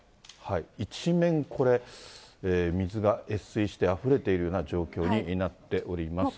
一面、これ、水が越水してあふれているような状況になっております。